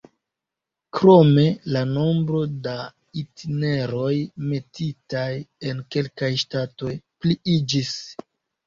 Krome, la nombro da itineroj metitaj en kelkaj ŝtatoj pliiĝis.